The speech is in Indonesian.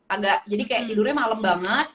agak jadi kayak tidurnya malam banget